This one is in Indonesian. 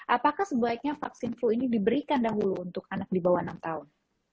apakah sebaiknya vaksin flu ini diberikan dahulu untuk anak di bawah enam tahun